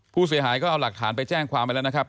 ผู้เสียหายก็เอาหลักฐานไปแจ้งความไปแล้วนะครับ